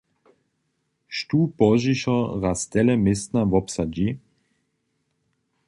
Štó pozdźišo raz tele městna wobsadźi?